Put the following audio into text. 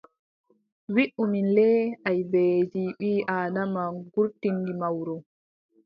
Wiʼu min le aybeeji ɓii- Aadama gurtinɗi ma wuro.